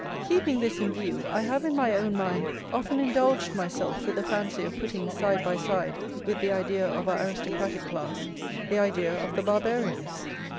Keeping this in view, I have in my own mind often indulged myself with the fancy of putting side by side with the idea of our aristocratic class, the idea of the Barbarians.